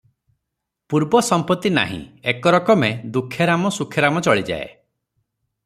ପୂର୍ବ ସମ୍ପତ୍ତି ନାହିଁ, ଏକରକମେ ଦୁଃଖେରାମ, ସୁଖେ ରାମ ଚଳିଯାଏ ।